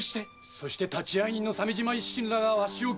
そして立会人の鮫島らがわしを斬る！